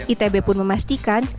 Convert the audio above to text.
itb pun memastikan